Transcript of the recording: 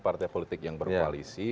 partai politik yang berkoalisi